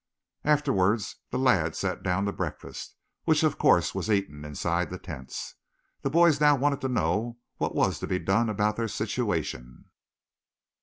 Afterward the lads sat down to breakfast, which, of course, was eaten inside the tents. The boys now wanted to know what was to be done about their situation.